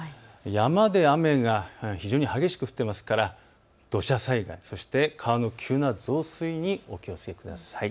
山で雨が非常に激しく降っていますから、土砂災害、川の急な増水にお気をつけください。